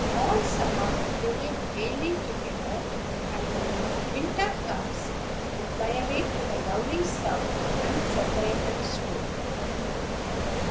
All summer you live gayly together; and, when winter comes, you fly away to the lovely South, unseparated still."